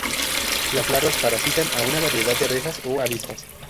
Las larvas parasitan a una variedad de abejas o avispas.